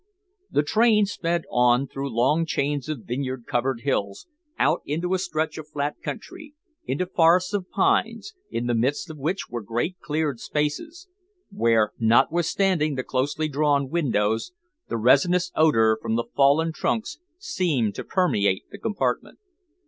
The train sped on through long chains of vineyard covered hills, out into a stretch of flat country, into forests of pines, in the midst of which were great cleared spaces, where, notwithstanding the closely drawn windows, the resinous odour from the fallen trunks seemed to permeate the compartment.